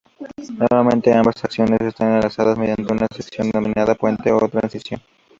Normalmente ambas secciones están enlazadas mediante una sección denominada "puente" o "transición".